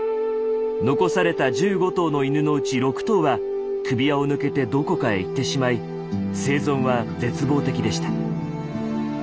残された１５頭の犬のうち６頭は首輪を抜けてどこかへ行ってしまい生存は絶望的でした。